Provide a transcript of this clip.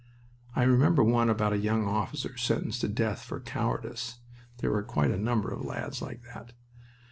I remember one about a young officer sentenced to death for cowardice (there were quite a number of lads like that).